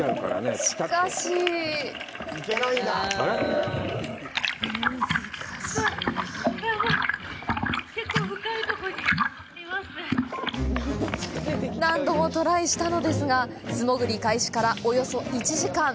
しかし何度もトライしたのですが、素潜り開始からおよそ１時間。